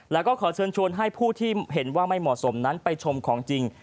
แล้วก็ขอเชิญชวนให้ผู้ที่เห็นว่าไม่เหมาะสมนั้นไปชมของจริง